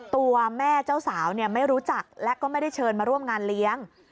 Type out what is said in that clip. ตัวแม่เจ้าสาวไม่รู้จักและก็ไม่ได้เชิญมาร่วมงานเลี้ยง